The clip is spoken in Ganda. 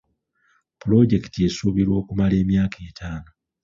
Pulojekiti esuubirwa okumala emyaka etaano.